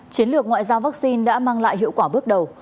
chiến lược ngoại giao vaccine đã mang lại hiệu quả bước đầu